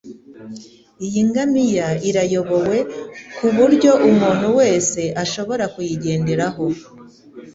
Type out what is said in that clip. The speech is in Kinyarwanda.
Iyi ngamiya irayobowe kuburyo umuntu wese ashobora kuyigenderaho.